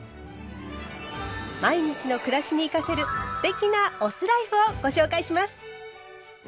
毎日の暮らしに生かせる“酢テキ”なお酢ライフをご紹介します。